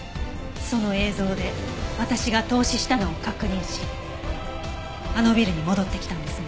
その映像で私が凍死したのを確認しあのビルに戻ってきたんですね？